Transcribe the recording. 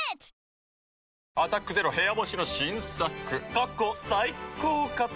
過去最高かと。